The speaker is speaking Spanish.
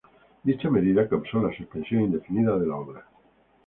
Dicha medida causó la suspensión indefinida de la obra.